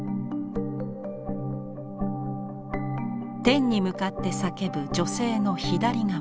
天に向かって叫ぶ女性の左側。